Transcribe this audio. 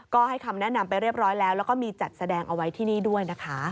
ก็ให้คำแนะนำไปเรียบร้อยแล้วแล้วก็มีจัดแสดงเอาไว้ที่นี่ด้วยนะคะ